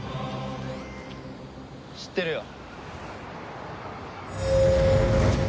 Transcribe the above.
知ってるよ。